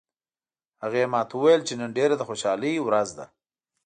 هغې ما ته وویل چې نن ډیره د خوشحالي ورځ ده